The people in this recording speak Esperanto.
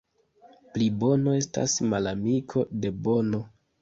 Plibono estas malamiko de bono.